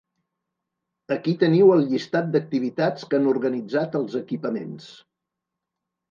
Aquí teniu el llistat d'activitats que han organitzat els equipaments.